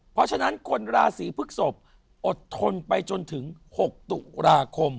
เพราะฉะนั้นคนราศีพฤกษพอดทนไปจนถึง๖ตุลาคม